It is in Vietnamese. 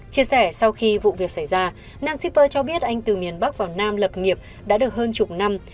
chia sẻ sau khi vụ việc xảy ra nam shipper cho biết anh từ miền bắc vào nam lập nghiệp đã được hơn chục năm